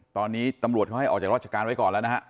ตอนนี้ตำรวจเขาให้ออกจากราชการไว้ก่อนแล้วนะฮะ